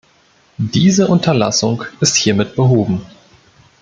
Diese Unterlassung ist hiermit behoben.